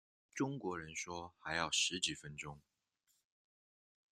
中国人说还要十几分钟